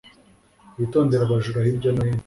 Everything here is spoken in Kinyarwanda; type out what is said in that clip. witondere abajura hirya no hino